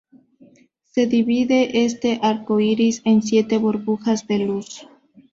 Se divide este arco iris en siete burbujas de luz.